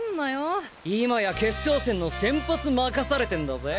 今や決勝戦の先発任されてんだぜ！